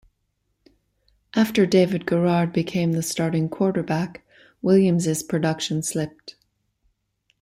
After David Garrard became the starting quarterback, Williams' production slipped.